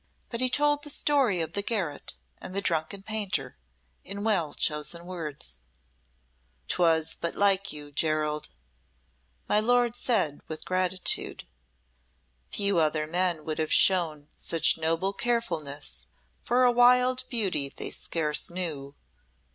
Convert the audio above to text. But he told the story of the garret and the drunken painter, in well chosen words. "'Twas but like you, Gerald," my lord said with gratitude. "Few other men would have shown such noble carefulness for a wild beauty they scarce knew.